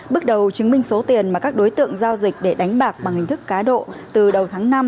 bước đầu chứng minh số tiền mà các đối tượng giao dịch để đánh bạc bằng hình thức cá độ từ đầu tháng năm